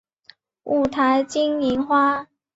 五台金银花